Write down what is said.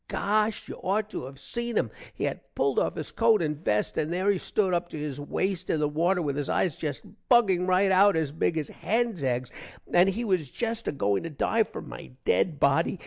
gosh you aught to have seen him. he had pulled off his coat and vest and there he stood up to his waste in the water with his eyes jest bugging rite out as big as hens eggs, and he was jest a going to dive for my dead body.